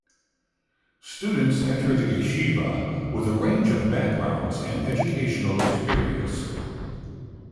Students enter the yeshiva with a range of backgrounds and educational experience.